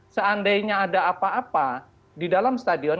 seandainya ada apa apa di dalam stadion